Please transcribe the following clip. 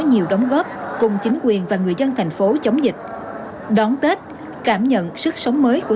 nhiều đóng góp cùng chính quyền và người dân thành phố chống dịch đón tết cảm nhận sức sống mới của